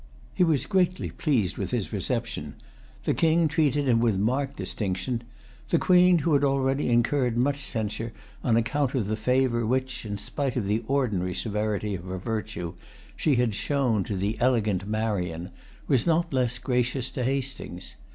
He was greatly pleased with his reception. The King treated him with marked distinction. The Queen, who had already incurred much censure on account of the favor which, in spite of the ordinary severity of her virtue, she had shown to the "elegant Marian," was not less gracious to Hastings.